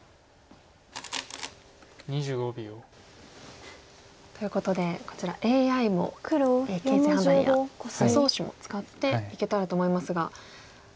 ２５秒。ということでこちらＡＩの形勢判断や予想手も使っていけたらと思いますが。